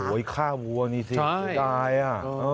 โอ้โฮค่าวัวนี่สิตายอ่ะ